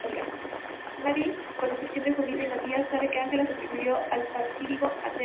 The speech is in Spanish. Nadie, con excepción de Jovita y Matías sabe que Ángela sobrevivió al fatídico atentado.